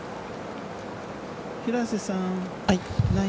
平瀬さん